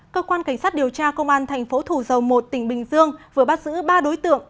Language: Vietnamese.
cơ quan cảnh sát điều tra công an thành phố thủ dầu một tỉnh bình dương vừa bắt giữ ba đối tượng